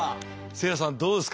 せいやさんどうですか？